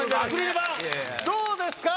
どうですか？